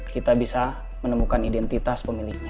kita bisa menemukan identitas pemiliknya